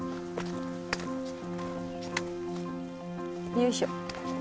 よいしょ。